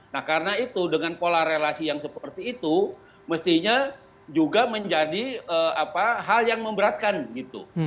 nah karena itu dengan pola relasi yang seperti itu mestinya juga menjadi hal yang memberatkan gitu